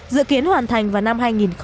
dự kiến hoàn thành vào năm hai nghìn hai mươi